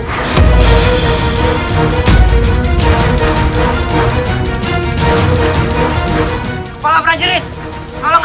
lihatlah wak prajurit ini sudah berani mendorongmu